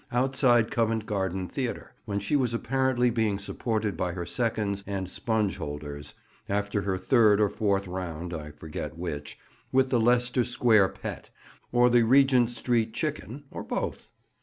outside Covent Garden Theatre, when she was apparently being supported by her seconds and spongeholders, after her third or fourth round (I forget which) with the "Leicester Square Pet" or the "Regent Street Chicken," or both.